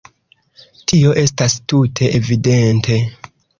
Tio estas tute evidente.